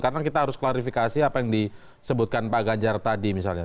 karena kita harus klarifikasi apa yang disebutkan pak ganjar tadi misalnya